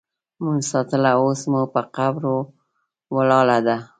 مونږ ساتله اوس مو په قبرو ولاړه ده